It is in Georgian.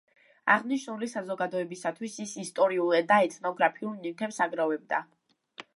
აღნიშნული საზოგადოებისათვის ის ისტორიულ და ეთნოგრაფიულ ნივთებს აგროვებდა.